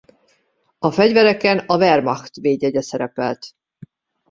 A fegyvereken a Wehrmacht védjegye szerepelt.